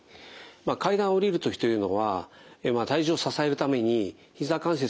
階段を下りる時というのは体重を支えるためにひざ関節に大きな力がかかります。